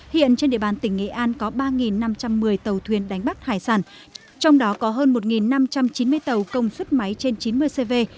hiện trên địa bàn tỉnh nghệ an có ba năm trăm một mươi tàu thuyền đánh bắt hải sản trong đó có hơn một năm trăm chín mươi tàu công suất máy trên chín mươi cv